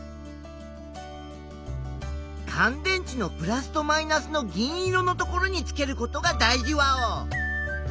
かん電池のプラスとマイナスの銀色のところにつけることが大じワオ！